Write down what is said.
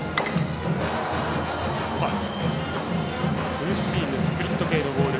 ツーシームスプリット系のボール。